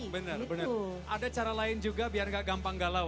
bener ada cara lain juga biar gak gampang galau